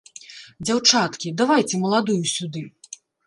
Дзяўчаткі, давайце маладую сюды.